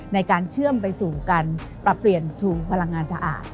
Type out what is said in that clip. ในการเชื่อมไปสู่การปรับเปลี่ยนทุนพลังงานสะอาด